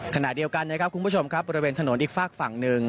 ขณะเดียวกันนะครับคุณผู้ชมครับบริเวณถนนอีกฝากฝั่งหนึ่ง